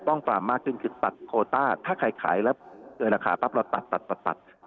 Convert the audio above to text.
ต้องปรับมากขึ้นคือตัดโคต้าถ้าใครขายแล้วเกินราคาปั๊บเราตัดตัด